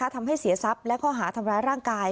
ทำให้เสียทรัพย์และข้อหาทำร้ายร่างกาย